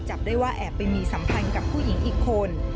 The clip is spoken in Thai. จับได้ว่าแอบไปมีสัมพันธ์กับผู้หญิงอีกคน